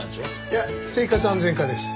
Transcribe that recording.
いや生活安全課です。